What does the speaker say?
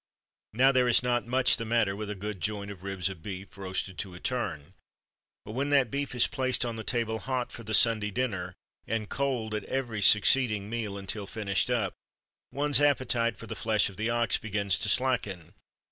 Now there is not much the matter with a good joint of ribs of beef, roasted to a turn. But when that beef is placed on the table hot for the Sunday dinner, and cold at every succeeding meal until finished up, one's appetite for the flesh of the ox begins to slacken.